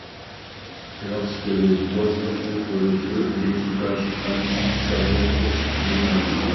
Lorsque le croiseur ouvre le feu, l'équipage Allemand saborde le navire.